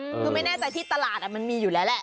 คือไม่แน่ใจที่ตลาดมันมีอยู่แล้วแหละ